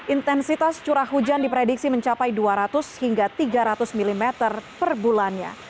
intensitas curah hujan diprediksi mencapai dua ratus hingga tiga ratus mm per bulannya